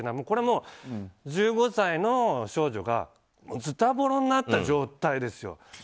これはもう、１５歳の少女がずたぼろになった状態ですよ。